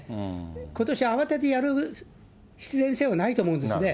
ことし慌ててやる必然性はないと思うんですね。